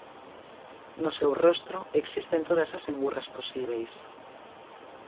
No seu rostro existen todas as engurras posíbeis.